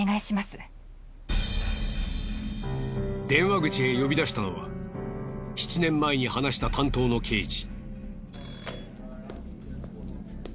電話口へ呼び出したのは７年前に話した担当の刑事。